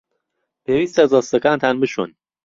پێویستە دەستەکانتان بشۆن.